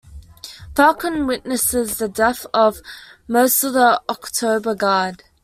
Falcon witnesses the death of most of the Oktober Guard.